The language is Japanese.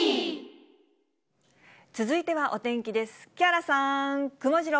続いてはお天気です。